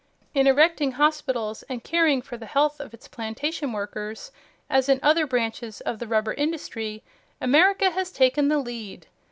In erecting hospitals and caring for the health of its plantation workers, as in other branches of the rubber industry, America has taken the lead.